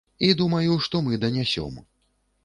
І думаю, што мы данясём.